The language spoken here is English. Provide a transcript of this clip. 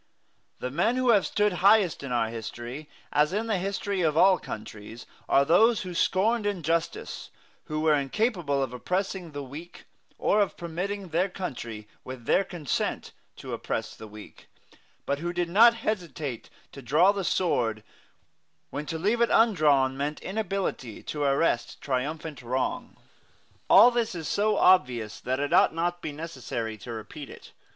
The men who have stood highest in our history, as in the history of all countries, are those who scorned injustice, who were incapable of oppressing the weak, or of permitting their country, with their consent, to oppress the weak, but who did not hesitate to draw the sword when to leave it undrawn meant inability to arrest triumphant wrong. All this is so obvious that it ought not to be necessary to repeat it.